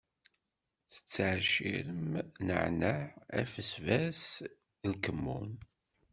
Tettɛecciṛem nneɛneɛ, abesbas, lkemmun.